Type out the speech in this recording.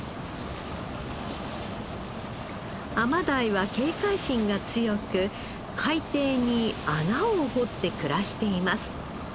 甘鯛は警戒心が強く海底に穴を掘って暮らしています